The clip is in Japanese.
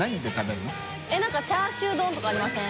村重）えっ何かチャーシュー丼とかありません？